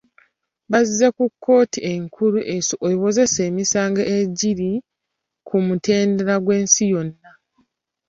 Bazze ku kkooti enkulu ewozesa emisango egiri ku mutendera gw’ensi yonna.